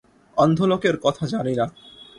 অন্ধ লোকের কথা জানি না।